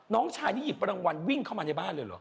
น้องชายนี่หยิบรางวัลวิ่งเข้ามาในบ้านเลยเหรอ